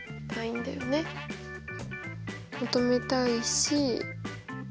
求めたいし。